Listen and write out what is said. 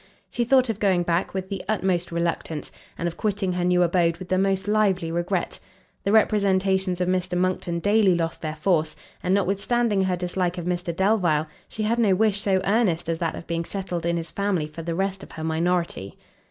She thought of going back with the utmost reluctance, and of quitting her new abode with the most lively regret. The representations of Mr Monckton daily lost their force, and notwithstanding her dislike of Mr Delvile, she had no wish so earnest as that of being settled in his family for the rest of her minority.